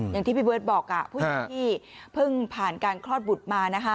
อย่างที่พี่เบิร์ตบอกผู้หญิงที่เพิ่งผ่านการคลอดบุตรมานะคะ